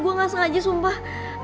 gue nggak sengaja sumpah